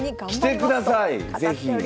来てください是非！